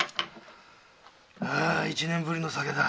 あ一年ぶりの酒だ。